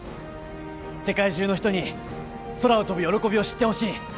世界中の人に空を飛ぶ喜びを知ってほしい。